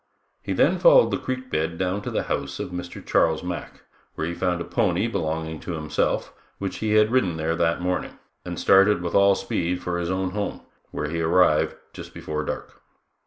He then followed the creek bed down to the house of Mr. Charles Mack, where he found a pony belonging to himself, which he had ridden there that morning, and started with all speed for his own home, where he arrived just before dark.